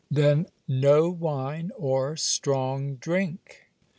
Then, no wine, or strong drink.